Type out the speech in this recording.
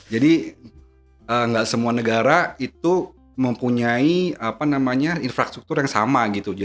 jadi nggak semua negara itu mempunyai infrastruktur yang sama